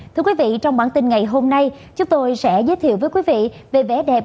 thưa quý vị trong bản tin ngày hôm nay chúng tôi sẽ giới thiệu với quý vị về vẻ đẹp